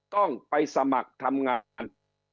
ต้องไปสมัครทำงาน